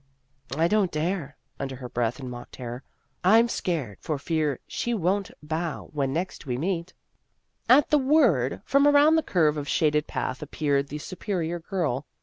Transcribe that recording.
" I don't dare," under her breath in mock terror ;" I 'm ' scared ' for fear she won't bow when next we meet." At the word, from around the curve of shaded path appeared the Superior Girl.